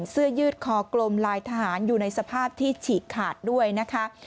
เสื้อยืดคอกลมลายทหารอยู่ในสภาพที่ฉีกขาดด้วยนะคะ